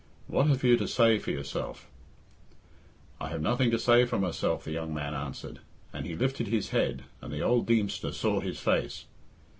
What have you to say for yourself?" "I have nothing to say for myself," the young man answered, and he lifted his head and the old Deemster saw his face.